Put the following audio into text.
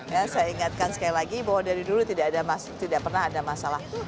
ya saya ingatkan sekali lagi bahwa dari dulu tidak pernah ada masalah